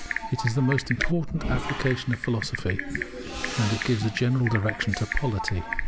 It is the most important application of philosophy, and it gives a general direction to polity.